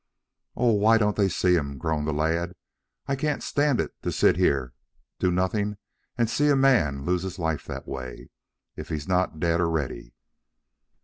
"Oh, why won't they see him!" groaned the lad. "I can't stand it to sit here doing nothing and see a man lose his life that way if he's not dead already."